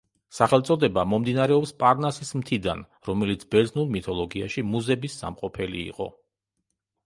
სახელწოდება მომდინარეობს პარნასის მთიდან, რომელიც ბერძნულ მითოლოგიაში მუზების სამყოფელი იყო.